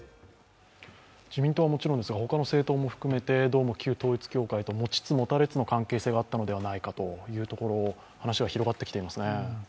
自民党はもちろんですが、他の政党も含めて旧統一教会と、持ちつ持たれつの関係があるのではないかという話が広がってきていますね。